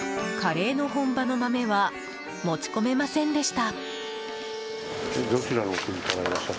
カレーの本場の豆は持ち込めませんでした。